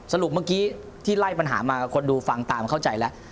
สรุปเมื่อกี้ที่ไล่ปัญหามาคนดูฟังตามเข้าใจแล้ว